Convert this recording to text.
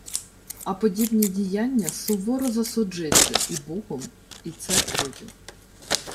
А подібні діяння суворо засуджуються і Богом, і церквою